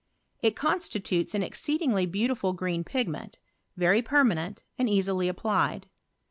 It constitutei an exceedingly beautiful green pigment, very per manent, and easily applied.